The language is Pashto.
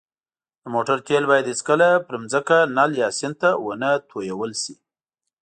د موټر تېل باید هېڅکله په ځمکه، نل، یا سیند ته ونهتوېل ش